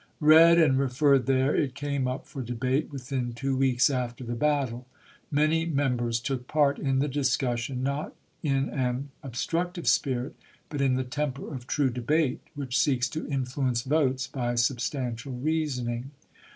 Read and referred there, it came up for debate within two weeks after the battle. Many Members took part in the discussion, not in an ob structive spirit, but in the temper of true debate which seeks to influence votes by substantial reasoning.